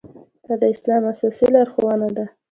دا د اسلام اساسي لارښوونه ده.